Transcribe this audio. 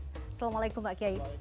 assalamualaikum pak kiai